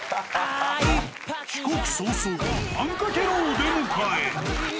帰国早々、あんかけのお出迎え。